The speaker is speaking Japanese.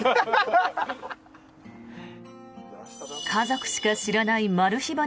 家族しか知らないマル秘